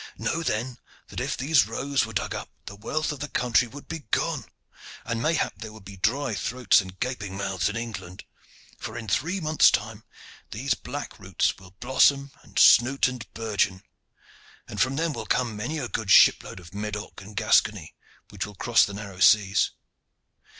Know then that if these rows were dug up the wealth of the country would be gone, and mayhap there would be dry throats and gaping mouths in England, for in three months' time these black roots will blossom and shoot and burgeon, and from them will come many a good ship load of Medoc and Gascony which will cross the narrow seas.